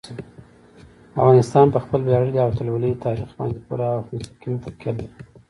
افغانستان په خپل ویاړلي او اتلولۍ تاریخ باندې پوره او مستقیمه تکیه لري.